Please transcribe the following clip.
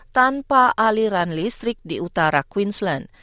tanpa aliran listrik di utara queensland